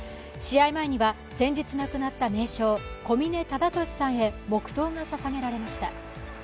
試合前には先日亡くなった名将小嶺忠敏さんへ黙とうがささげられました。